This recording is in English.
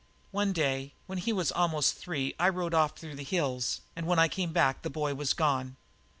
"One day when he was almost three I rode off through the hills, and when I came back the boy was gone.